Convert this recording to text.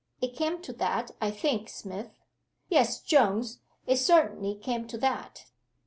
"It came to that, I think, Smith." "Yes, Jones, it certainly came to that."